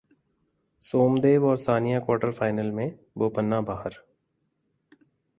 सोमदेव और Sania quarter final में, बोपन्ना बाहर